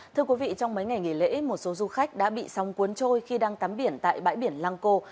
thưa quý vị trong mấy ngày nghỉ lễ một số du khách đã bị sóng cuốn trôi khi đang tắm biển tại bãi biển lăng cô